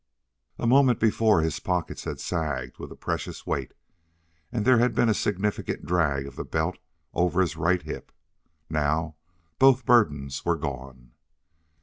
A moment before his pockets had sagged with a precious weight, and there had been a significant drag of the belt over his right hip. Now both burdens were gone.